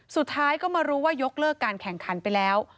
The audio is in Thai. สุดท้ายก็มารู้ว่ายกเลิกการแข่งขันไปแล้ว